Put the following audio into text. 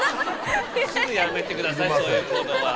すぐやめてくださいそういう行動は。